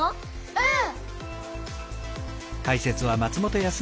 うん！